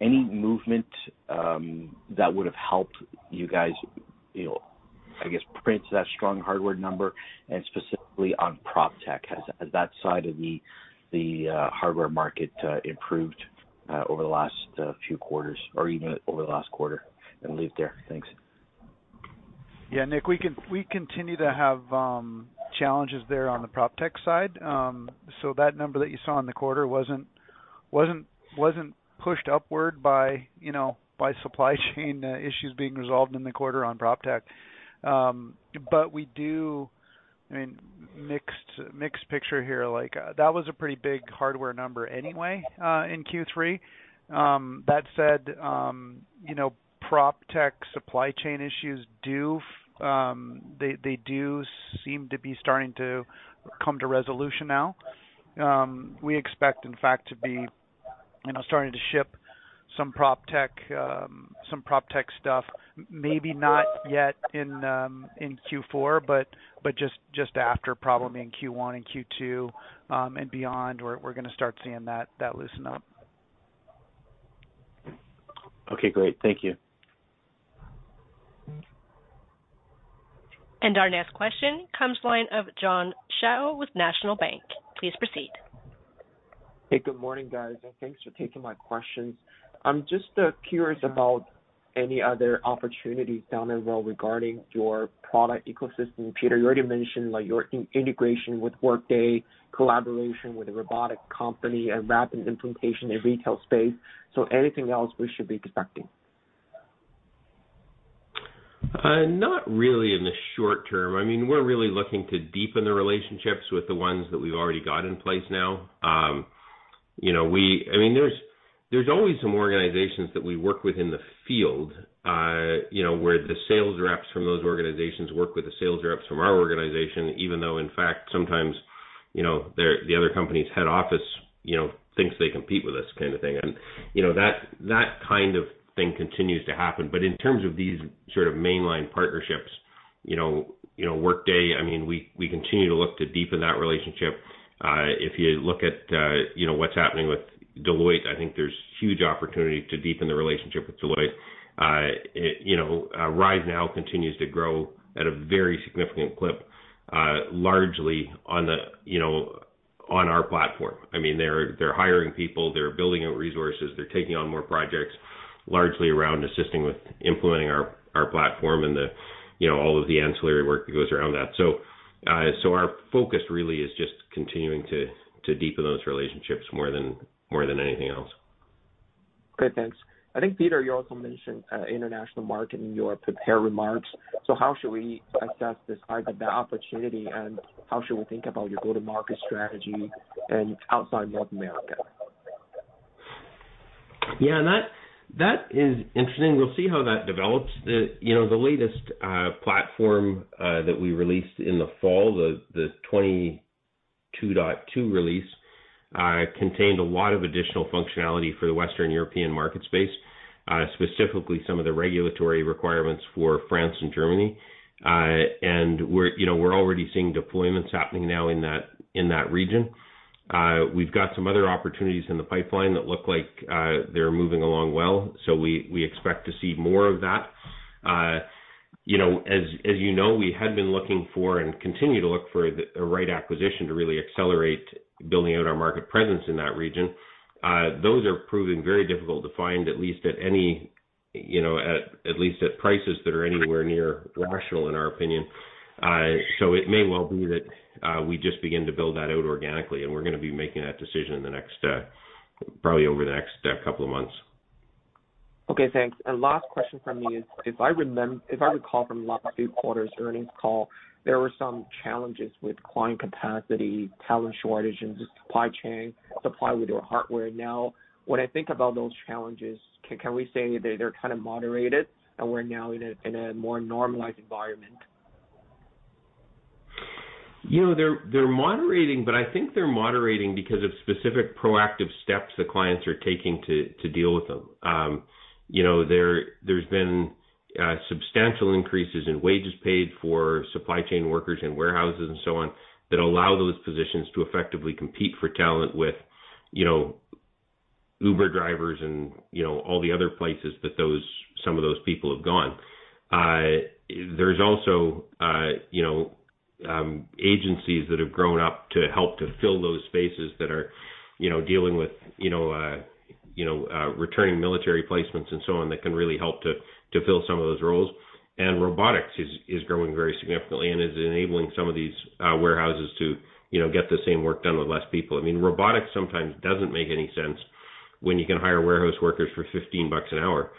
Any movement that would have helped you guys, you know, I guess print that strong hardware number, and specifically on PropTech. Has that side of the hardware market improved over the last few quarters or even over the last quarter? Gonna leave it there. Thanks. Yeah. Nick, we continue to have challenges there on the PropTech side. So that number that you saw in the quarter wasn't pushed upward by, you know, by supply chain issues being resolved in the quarter on PropTech. But we do. I mean, mixed picture here, like, that was a pretty big hardware number anyway, in Q3. That said, PropTech supply chain issues do seem to be starting to come to resolution now. We expect in fact to be, you know, starting to ship some PropTech, some PropTech stuff, maybe not yet in Q4, but just after, probably in Q1 and Q2, and beyond, we're gonna start seeing that loosen up. Okay. Great. Thank you. Our next question comes line of John Shao with National Bank. Please proceed. Hey, good morning, guys, and thanks for taking my questions. I'm just curious about any other opportunities down the road regarding your product ecosystem. Peter, you already mentioned, like, your in-integration with Workday, collaboration with a robotic company, a rapid implementation in retail space. Anything else we should be expecting? Not really in the short term. I mean, we're really looking to deepen the relationships with the ones that we've already got in place now. You know, I mean, there's always some organizations that we work with in the field, you know, where the sales reps from those organizations work with the sales reps from our organization, even though in fact sometimes, you know, the other company's head office, you know, thinks they compete with us kind of thing. You know, that kind of thing continues to happen. But in terms of these sort of mainline partnerships, you know, Workday, I mean, we continue to look to deepen that relationship. If you look at, you know, what's happening with Deloitte, I think there's huge opportunity to deepen the relationship with Deloitte. It, you know, RiseNow continues to grow at a very significant clip, largely on the, you know, on our platform. I mean, they're hiring people. They're building out resources. They're taking on more projects, largely around assisting with implementing our platform and the, you know, all of the ancillary work that goes around that. Our focus really is just continuing to deepen those relationships more than anything else. Great. Thanks. I think, Peter, you also mentioned international market in your prepared remarks. How should we assess this part of the opportunity, and how should we think about your go-to-market strategy and outside North America? Yeah. That is interesting. We'll see how that develops. You know, the latest platform that we released in the fall, the 22.2 release, contained a lot of additional functionality for the Western European market space, specifically some of the regulatory requirements for France and Germany. We're, you know, we're already seeing deployments happening now in that region. We've got some other opportunities in the pipeline that look like they're moving along well. We expect to see more of that. You know, as you know, we had been looking for and continue to look for a right acquisition to really accelerate building out our market presence in that region. Those are proving very difficult to find, at least at any, you know, at least at prices that are anywhere near rational, in our opinion. It may well be that, we just begin to build that out organically, and we're gonna be making that decision in the next, probably over the next, couple of months. Okay, thanks. Last question from me is, if I recall from last few quarters earnings call, there were some challenges with client capacity, talent shortage, and the supply chain with your hardware. When I think about those challenges, can we say they're kind of moderated and we're now in a more normalized environment? You know, they're moderating, but I think they're moderating because of specific proactive steps the clients are taking to deal with them. You know, there's been substantial increases in wages paid for supply chain workers in warehouses and so on, that allow those positions to effectively compete for talent with, you know, Uber drivers and, you know, all the other places that some of those people have gone. There's also, you know, agencies that have grown up to help to fill those spaces that are, you know, dealing with, you know, returning military placements and so on that can really help to fill some of those roles. Robotics is growing very significantly and is enabling some of these warehouses to, you know, get the same work done with less people. I mean, robotics sometimes doesn't make any sense when you can hire warehouse workers for $15 an hour.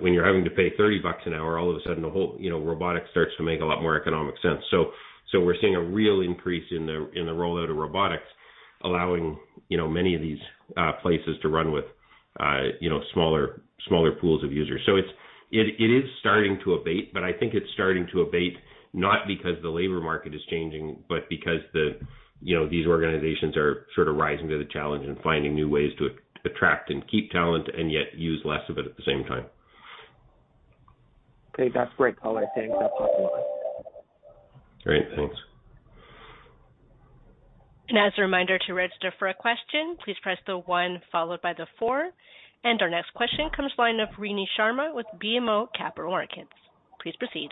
When you're having to pay $30 an hour, all of a sudden the whole, you know, robotics starts to make a lot more economic sense. We're seeing a real increase in the rollout of robotics, allowing, you know, many of these places to run with, you know, smaller pools of users. It is starting to abate, but I think it's starting to abate not because the labor market is changing, but because the, you know, these organizations are sort of rising to the challenge and finding new ways to attract and keep talent and yet use less of it at the same time. Okay. That's great, Paul. I think that's all for now. Great. Thanks. As a reminder to register for a question, please press the 1 followed by the 4. Our next question comes line of Rini Sharma with BMO Capital Markets. Please proceed.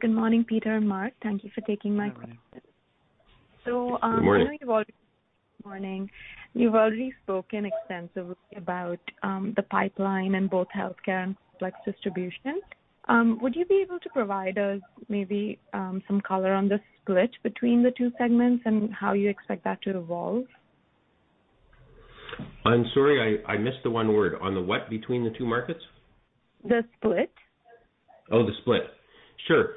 Good morning, Peter and Mark. Thank you for taking my call. Good morning. Good morning. You've already spoken extensively about the pipeline in both healthcare and complex distribution. Would you be able to provide us maybe some color on the split between the two segments and how you expect that to evolve? I'm sorry, I missed the one word. On the what between the two markets? The split. The split. Sure.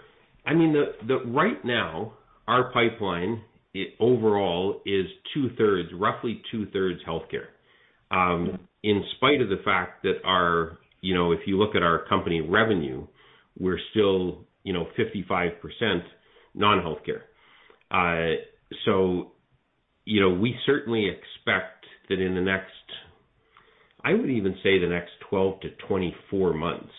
I mean, the right now our pipeline, it overall is 2/3, roughly 2/3 healthcare. In spite of the fact that. You know, if you look at our company revenue, we're still, you know, 55% non-healthcare. You know, we certainly expect that in the next, I would even say the next 12 months-24 months,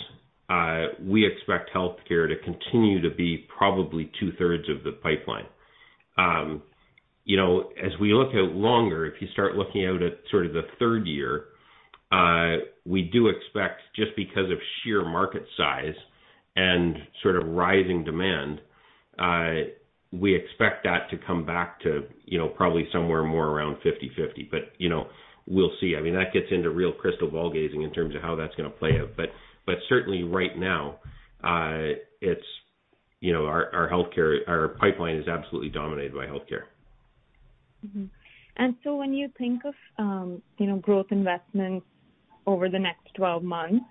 we expect healthcare to continue to be probably 2/3 of the pipeline. You know, as we look out longer, if you start looking out at sort of the 3rd year, we do expect just because of sheer market size and sort of rising demand, we expect that to come back to, you know, probably somewhere more around 50/50. You know, we'll see. I mean, that gets into real crystal ball gazing in terms of how that's gonna play out. Certainly right now, You know, our pipeline is absolutely dominated by healthcare. When you think of, you know, growth investments over the next 12 months,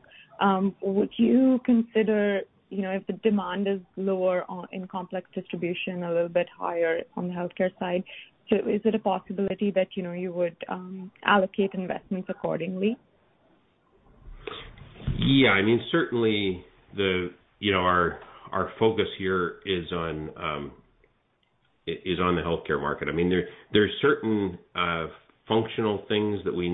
would you consider, you know, if the demand is lower in complex distribution, a little bit higher on the healthcare side, so is it a possibility that, you know, you would allocate investments accordingly? Yeah. I mean, certainly, you know, our focus here is on the healthcare market. I mean, there are certain functional things that we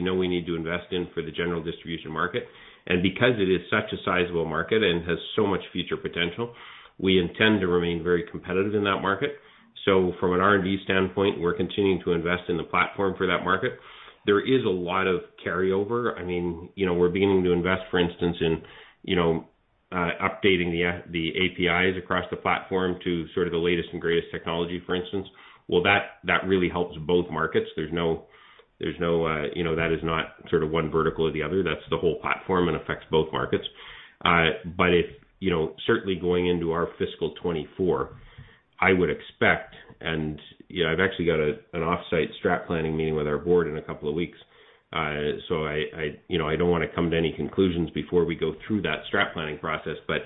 know we need to invest in for the general distribution market. Because it is such a sizable market and has so much future potential, we intend to remain very competitive in that market. From an R&D standpoint, we're continuing to invest in the platform for that market. There is a lot of carryover. I mean, you know, we're beginning to invest, for instance, in, you know, updating the APIs across the platform to sort of the latest and greatest technology, for instance. Well, that really helps both markets. There's no, you know, that is not sort of one vertical or the other. That's the whole platform and affects both markets. If, you know, certainly going into our fiscal 2024, I would expect, and, you know, I've actually got a, an off-site strat planning meeting with our board in a couple of weeks. I, you know, I don't wanna come to any conclusions before we go through that strat planning process, but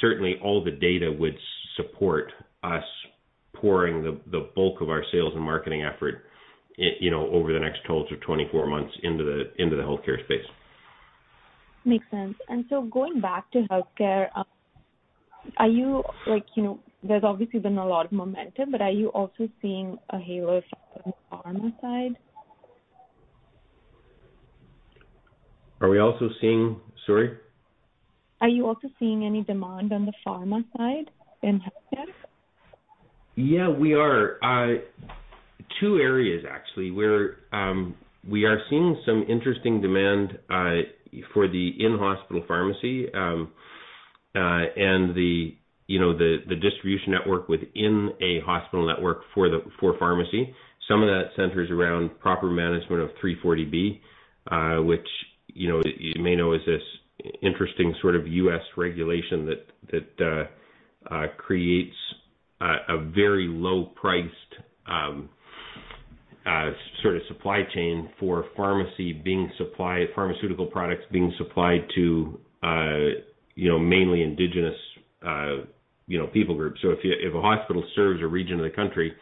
certainly all the data would support us pouring the bulk of our sales and marketing effort you know, over the next 12 to 24 months into the healthcare space. Makes sense. Going back to healthcare, there's obviously been a lot of momentum, but are you also seeing a halo effect on the pharma side? Are we also seeing... Sorry? Are you also seeing any demand on the pharma side in healthcare? Yeah, we are. Two areas actually. We are seeing some interesting demand for the in-hospital pharmacy, and the, you know, the distribution network within a hospital network for the, for pharmacy. Some of that centers around proper management of 340B, which, you know, you may know is this interesting sort of U.S. regulation that creates a very low priced sort of supply chain for pharmacy pharmaceutical products being supplied to, you know, mainly indigenous, you know, people groups. If a hospital serves a region of the country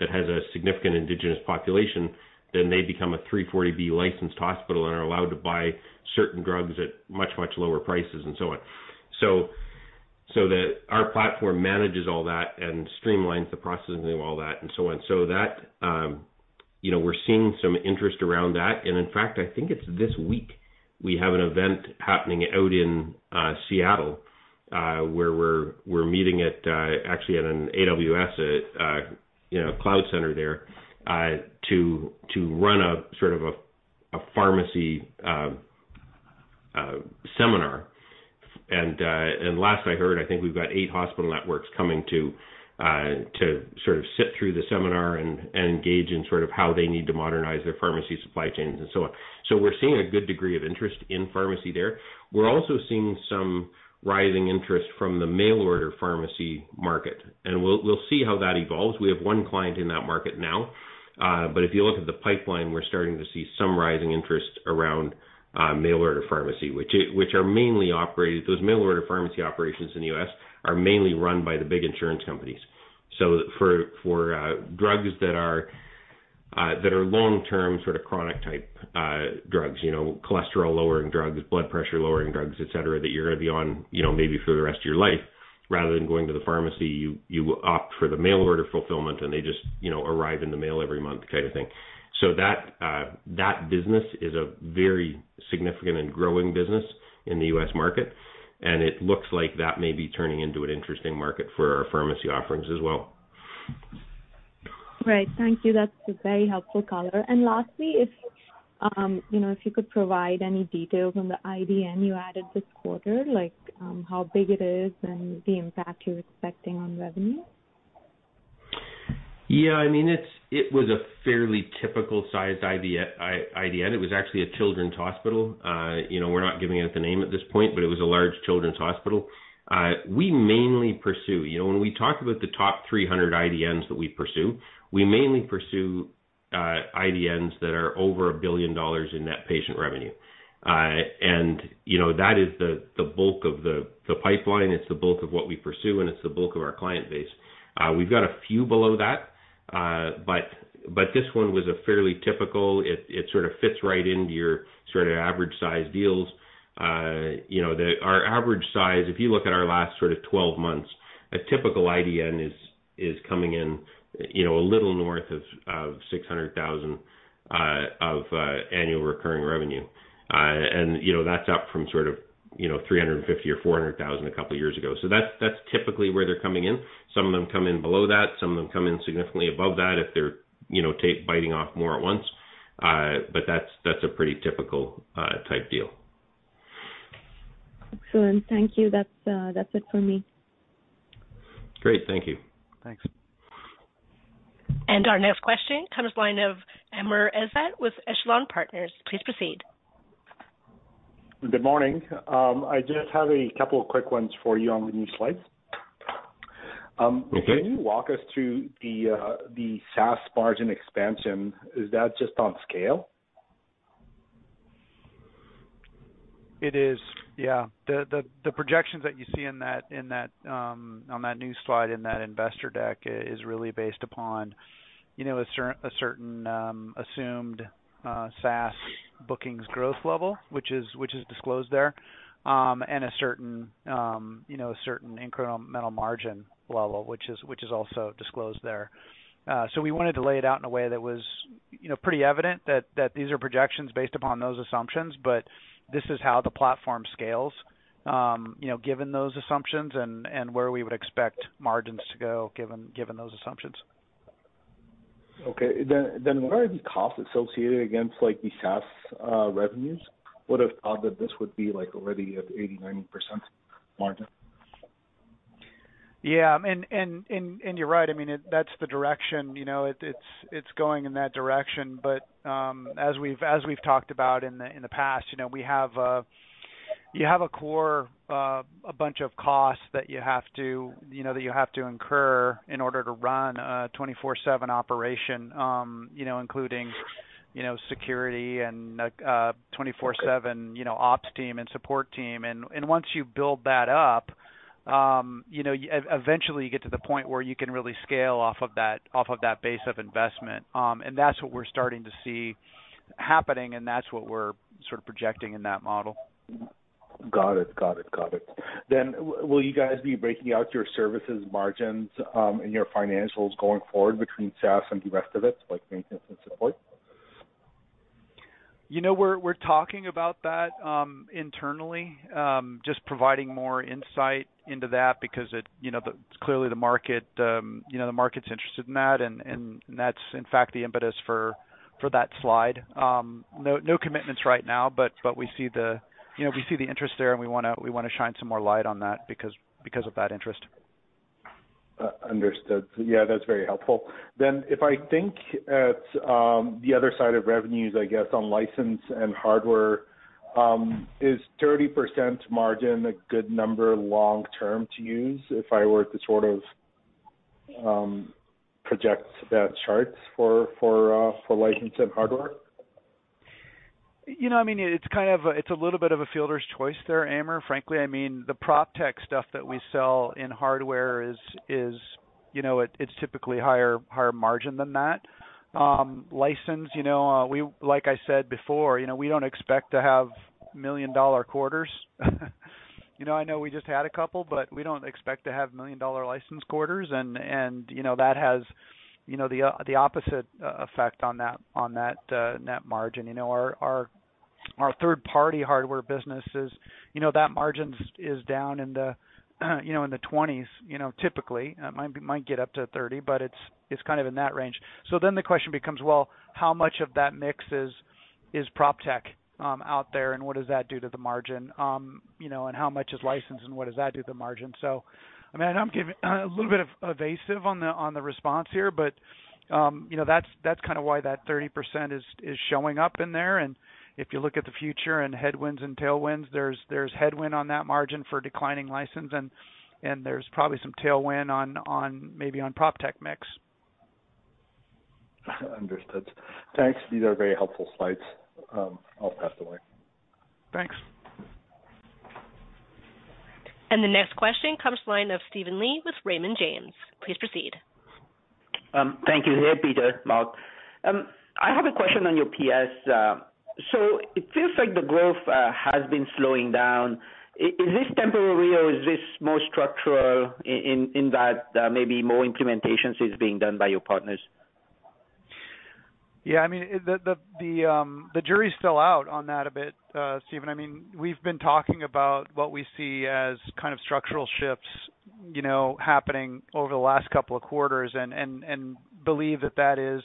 that has a significant indigenous population, then they become a 340B-licensed hospital and are allowed to buy certain drugs at much, much lower prices, and so on. That our platform manages all that and streamlines the processing of all that and so on. That, you know, we're seeing some interest around that. In fact, I think it's this week, we have an event happening out in Seattle, where we're meeting at actually at an AWS at, you know, cloud center there, to run a sort of a pharmacy seminar. Last I heard, I think we've got eight hospital networks coming to sort of sit through the seminar and engage in sort of how they need to modernize their pharmacy supply chains and so on. We're seeing a good degree of interest in pharmacy there. We're also seeing some rising interest from the mail order pharmacy market, we'll see how that evolves. We have one client in that market now, but if you look at the pipeline, we're starting to see some rising interest around mail order pharmacy. Which are mainly operated, those mail order pharmacy operations in the U.S., are mainly run by the big insurance companies. For drugs that are long-term sort of chronic type drugs, you know, cholesterol lowering drugs, blood pressure lowering drugs, et cetera, that you're gonna be on, you know, maybe for the rest of your life, rather than going to the pharmacy, you opt for the mail order fulfillment, and they just, you know, arrive in the mail every month kind of thing. That business is a very significant and growing business in the U.S. market, and it looks like that may be turning into an interesting market for our pharmacy offerings as well. Great. Thank you. That's a very helpful color. Lastly, if, you know, if you could provide any details on the IDN you added this quarter, like, how big it is and the impact you're expecting on revenue. Yeah. I mean, it's. It was a fairly typical sized IDN. It was actually a children's hospital. You know, we're not giving out the name at this point, but it was a large children's hospital. You know, when we talk about the top 300 IDNs that we pursue, we mainly pursue IDNs that are over $1 billion in net patient revenue. You know, that is the bulk of the pipeline. It's the bulk of what we pursue, and it's the bulk of our client base. We've got a few below that, but this one was a fairly typical. It sort of fits right into your sort of average size deals. You know, Our average size, if you look at our last sort of 12 months, a typical IDN is coming in, you know, a little north of $600,000 of annual recurring revenue. You know, that's up from sort of, you know, $350,000 or $400,000 a couple years ago. That's typically where they're coming in. Some of them come in below that, some of them come in significantly above that if they're, you know, biting off more at once. That's a pretty typical type deal. Excellent. Thank you. That's it for me. Great. Thank you. Thanks. Our next question comes line of Amr Ezzat with Echelon Wealth Partners. Please proceed. Good morning. I just have a couple of quick ones for you on the new slides. Okay. Can you walk us through the SaaS margin expansion? Is that just on scale? It is. Yeah. The projections that you see in that, in that, on that new slide in that investor deck is really based upon, you know, a certain assumed SaaS bookings growth level, which is disclosed there, and a certain, you know, a certain incremental margin level, which is also disclosed there. We wanted to lay it out in a way that was, you know, pretty evident that these are projections based upon those assumptions, but this is how the platform scales, you know, given those assumptions and where we would expect margins to go given those assumptions. Okay. What are the costs associated against like the SaaS revenues? Would have thought that this would be like already at 80%, 90% margin. Yeah. You're right. I mean, that's the direction, you know, it's going in that direction. As we've talked about in the past, you know, you have a core, a bunch of costs that you have to, you know, that you have to incur in order to run a 24-seven operation, you know, including, you know, security and a 24 seven- Okay ...You know, ops team and support team. Once you build that up, you know, eventually you get to the point where you can really scale off of that, off of that base of investment. That's what we're starting to see happening, and that's what we're sort of projecting in that model. Got it. Got it. Got it. Will you guys be breaking out your services margins in your financials going forward between SaaS and the rest of it, like maintenance and support? You know, we're talking about that, internally, just providing more insight into that because it, you know, clearly the market, you know, the market's interested in that and that's in fact the impetus for that slide. No commitments right now. We see the, you know, we see the interest there and we wanna shine some more light on that because of that interest. Understood. Yeah, that's very helpful. If I think at the other side of revenues, I guess, on license and hardware, is 30% margin a good number long term to use if I were to sort of project that chart for license and hardware? You know, I mean, it's kind of a little bit of a fielder's choice there, Amr. Frankly, I mean, the PropTech stuff that we sell in hardware is typically higher margin than that. License, you know, like I said before, you know, we don't expect to have $1 million quarters. You know, I know we just had a couple, but we don't expect to have $1 million license quarters and, you know, that has, you know, the opposite effect on that net margin. You know, our third-party hardware business is, you know, that margin is down in the, you know, in the 20s%, you know, typically. It might get up to 30%, but it's kind of in that range. The question becomes, well, how much of that mix is PropTech out there, and what does that do to the margin? You know, and how much is licensed, and what does that do to the margin? I mean, I'm giving a little bit of evasive on the, on the response here, but, you know, that's kind of why that 30% is showing up in there. If you look at the future and headwinds and tailwinds, there's headwind on that margin for declining license and there's probably some tailwind on maybe on PropTech mix. Understood. Thanks. These are very helpful slides. I'll pass the line. Thanks. The next question comes from the line of Steven Li with Raymond James. Please proceed. Thank you. Hey, Peter, Mark. I have a question on your PS. It feels like the growth has been slowing down. Is this temporary or is this more structural in that there may be more implementations is being done by your partners? Yeah, I mean, the jury is still out on that a bit, Steven. I mean, we've been talking about what we see as kind of structural shifts, you know, happening over the last couple of quarters and believe that that is,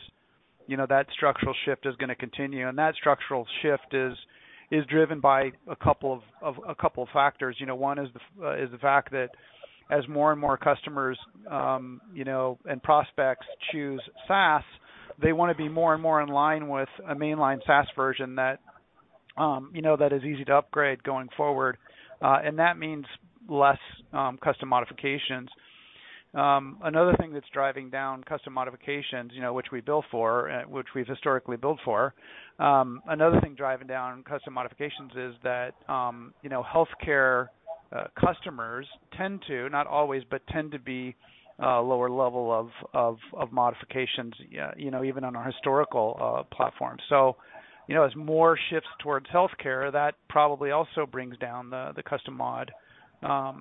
you know, that structural shift is gonna continue. That structural shift is driven by a couple of factors. You know, one is the fact that as more and more customers, you know, and prospects choose SaaS, they wanna be more and more in line with a mainline SaaS version that, you know, that is easy to upgrade going forward. That means less custom modifications. Another thing that's driving down custom modifications, you know, which we build for, which we've historically built for. Another thing driving down custom modifications is that, you know, healthcare customers tend to, not always, but tend to be a lower level of modifications, you know, even on our historical platform. You know, as more shifts towards healthcare, that probably also brings down the custom mod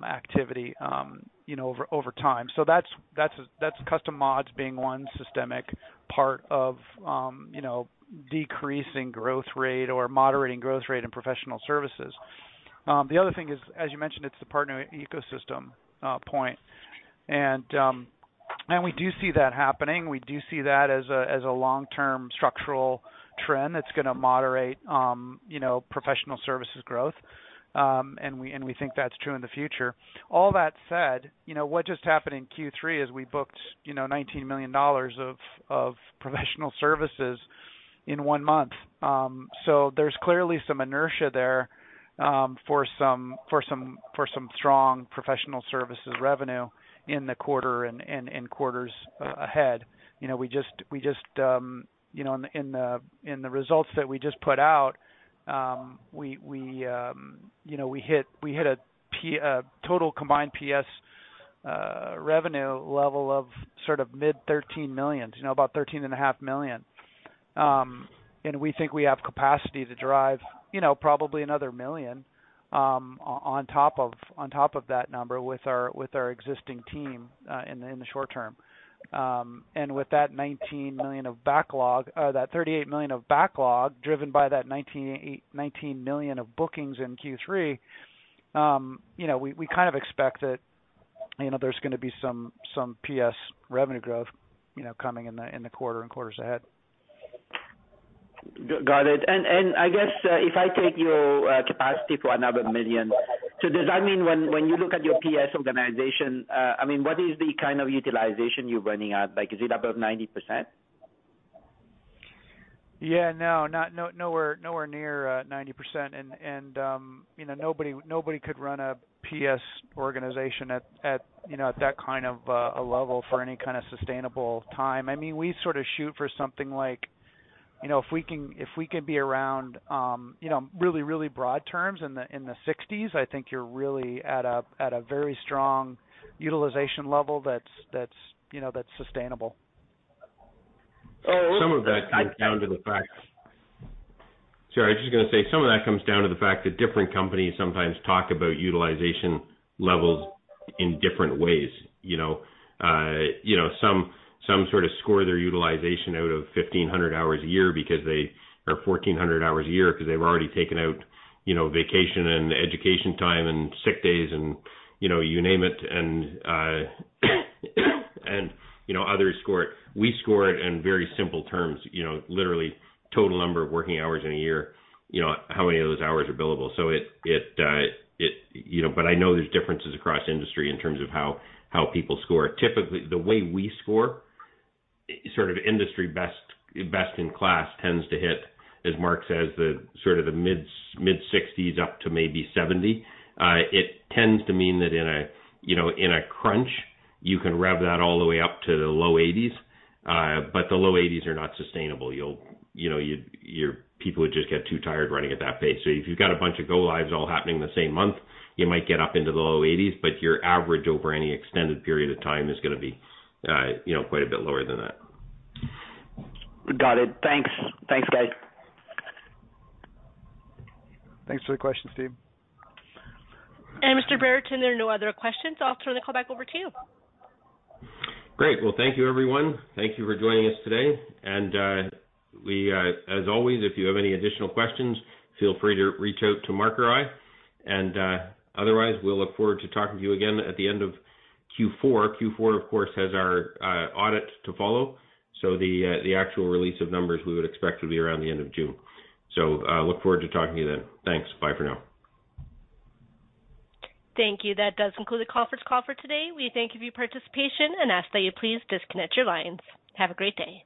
activity, you know, over time. That's custom mods being one systemic part of, you know, decreasing growth rate or moderating growth rate in professional services. The other thing is, as you mentioned, it's the partner ecosystem point. We do see that happening. We do see that as a long-term structural trend that's gonna moderate, you know, professional services growth. We think that's true in the future. All that said, you know, what just happened in Q3 is we booked, you know, $19 million of professional services in 1 month. There's clearly some inertia there for some strong professional services revenue in the quarter and in quarters ahead. You know, we just, you know, in the results that we just put out, we, you know, we hit a total combined PS revenue level of sort of mid $13 million, you know, about $13.5 million. We think we have capacity to drive, you know, probably $1 million on top of that number with our existing team in the short term. With that 19 million of backlog, that 38 million of backlog driven by that 19 million of bookings in Q3, you know, we kind of expect that, you know, there's gonna be some PS revenue growth, you know, coming in the quarter and quarters ahead. Got it. I guess, if I take your capacity for another million, does that mean when you look at your PS organization, I mean, what is the kind of utilization you're running at? Like, is it above 90%? Yeah, no, not, nowhere near 90%. You know, nobody could run a PS organization at, you know, at that kind of a level for any kind of sustainable time. I mean, we sort of shoot for something like, you know, if we can be around, you know, really broad terms in the sixties, I think you're really at a very strong utilization level that's, you know, that's sustainable. Some of that comes down to the fact. Sorry, I was just gonna say some of that comes down to the fact that different companies sometimes talk about utilization levels in different ways, you know. You know, some sort of score their utilization out of 1,500 hours a year because 1,400 hours a year because they've already taken out, you know, vacation and education time and sick days and, you know, you name it. You know, others score it. We score it in very simple terms, you know, literally total number of working hours in a year, you know, how many of those hours are billable. It, you know. I know there's differences across industry in terms of how people score. Typically, the way we score sort of industry best in class tends to hit, as Mark says, the sort of the mid-60s up to maybe 70. It tends to mean that in a, you know, in a crunch, you can rev that all the way up to the low 80s. The low 80s are not sustainable. You'll, you know, your people would just get too tired running at that pace. If you've got a bunch of go lives all happening the same month, you might get up into the low 80s, but your average over any extended period of time is gonna be, you know, quite a bit lower than that. Got it. Thanks. Thanks, guys. Thanks for the question, Steve. Mr. Brereton, there are no other questions, so I'll turn the call back over to you. Great. Well, thank you, everyone. Thank you for joining us today. As always, if you have any additional questions, feel free to reach out to Mark or I. Otherwise, we'll look forward to talking to you again at the end of Q4. Q4, of course, has our audit to follow. The actual release of numbers we would expect to be around the end of June. Look forward to talking to you then. Thanks. Bye for now. Thank you. That does conclude the conference call for today. We thank you for your participation and ask that you please disconnect your lines. Have a great day.